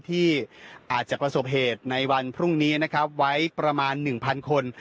ที่อาจจะประสบเหตุในวันพรุ่งนี้นะครับไว้ประมาณ๑๐๐คน